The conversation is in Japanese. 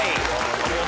お見事。